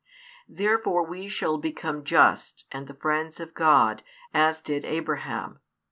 Therefore we shall become just and the friends of God, as did Abraham.